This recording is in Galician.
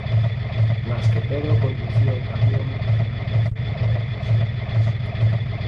Nas que Pedro conducía un camión e María fregaba e cosía na casa.